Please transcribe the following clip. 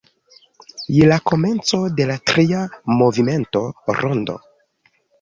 Je la komenco de la tria movimento "rondo.